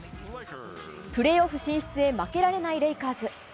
プレーオフ進出へ、負けられないレイカーズ。